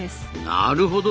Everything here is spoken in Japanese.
なるほど！